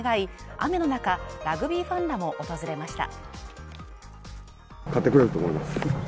雨の中、ラグビーファンらも訪れました。